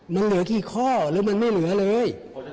มันเหลือกี่ข้อหรือมันไม่เหลือเลย